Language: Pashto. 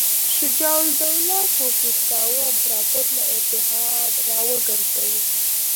شجاع الدوله کوښښ کاوه امپراطور له اتحاد را وګرځوي.